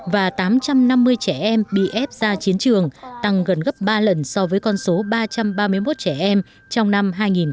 và tám trăm năm mươi trẻ em bị ép ra chiến trường tăng gần gấp ba lần so với con số ba trăm ba mươi một trẻ em trong năm hai nghìn một mươi tám